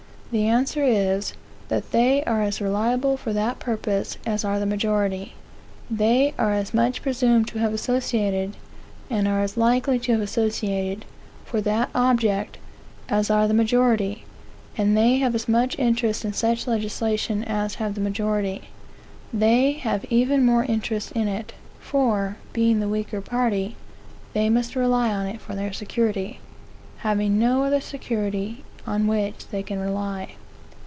The answer is, that they are as reliable for that purpose as are the majority; they are as much presumed to have associated, and are as likely to have associated, for that object, as are the majority; and they have as much interest in such legislation as have the majority. They have even more interest in it; for, being the weaker party, they must rely on it for their security, having no other security on which they can rely.